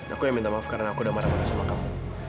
aku yang minta maaf karena aku udah marah marah sama kamu